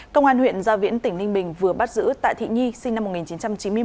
công an huyện gia viễn tỉnh ninh bình vừa bắt giữ tạ thị nhi sinh năm một nghìn chín trăm chín mươi một